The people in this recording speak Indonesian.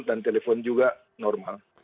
dan telepon juga normal